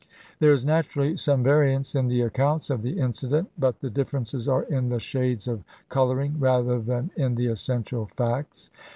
There is naturally some variance in the accounts of the incident, but the differences are in the shades of coloring rather than in the essential facts.